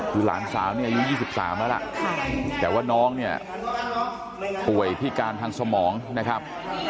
คือหลานสาวเนี่ยอายุ๒๓แล้วล่ะแต่ว่าน้องเนี่ยป่วยพิการทางสมองนะครับ